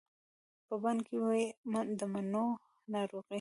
په بڼ کې ونې د مڼو، ناروغې